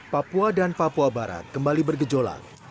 papua dan papua barat kembali bergejolak